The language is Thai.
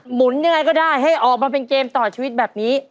หมุนยังไงก็ได้ให้ออกมาเป็นเกมต่อชีวิตแบบนี้